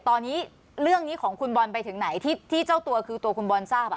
ตอนนี้เรื่องนี้ของคุณบอลไปถึงไหนที่เจ้าตัวคือตัวคุณบอลทราบ